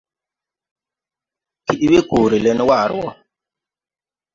Kiɗ we koore le ne waare wɔ.